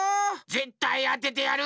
ぜったいあててやる！